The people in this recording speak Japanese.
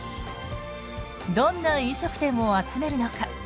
どんな飲食店を集めるのか。